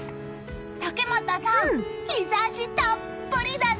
竹俣さん、日差したっぷりだね！